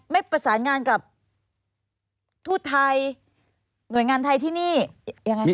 ไม่ประสานงานกับทูตไทยหน่วยงานไทยที่นี่ยังไงคะ